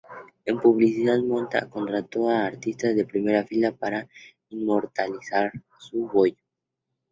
En publicidad, Motta contrató a artistas de primera fila para inmortalizar su bollo.